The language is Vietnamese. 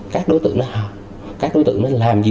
các đối tượng nó làm gì